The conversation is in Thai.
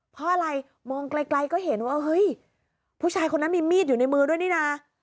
เพราะอะไรมองไกลก็เห็นว่าเฮ้ยผู้ชายคนนั้นมีมีดอยู่ในมือด้วยนี่นะ